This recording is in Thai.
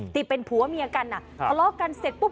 ที่เป็นผัวเมียกันอ่ะทะเลาะกันเสร็จปุ๊บ